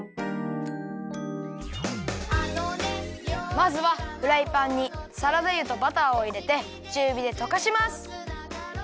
まずはフライパンにサラダ油とバターをいれてちゅうびでとかします。